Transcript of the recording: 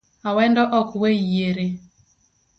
Awendo ok we yiere